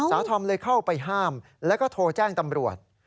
ทอมเลยเข้าไปห้ามแล้วก็โทรแจ้งตำรวจ